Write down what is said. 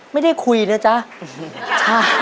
ไม่ได้คุยนะจ๊ะ